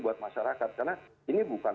buat masyarakat karena ini bukan